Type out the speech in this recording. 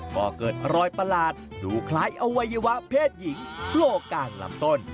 ก็เกิดรอยประหลาดดูคล้ายอวัยวะเพศหญิงโผล่กลางลำต้น